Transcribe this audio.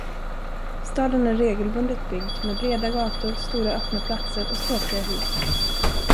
Staden är regelbundet byggd med breda gator, stora öppna platser och ståtliga hus.